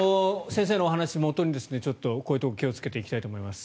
先生のお話をもとにこういうところに気をつけていきたいと思います。